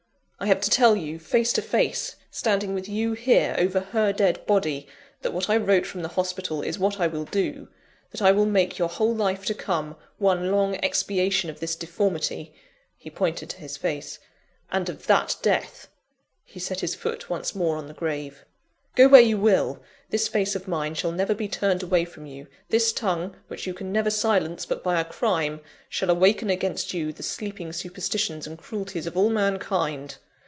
I have to tell you, face to face, standing with you here, over her dead body, that what I wrote from the hospital, is what I will do; that I will make your whole life to come, one long expiation of this deformity;" (he pointed to his face), "and of that death" (he set his foot once more on the grave). "Go where you will, this face of mine shall never be turned away from you; this tongue, which you can never silence but by a crime, shall awaken against you the sleeping superstitions and cruelties of all mankind.